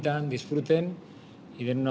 tidak ada yang istimewa